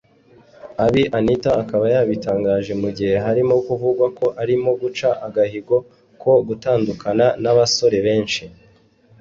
Ibi Anita akaba yabitangaje mu gihe harimo kuvugwa ko arimo guca agahigo ko gutandukana n’abasore benshi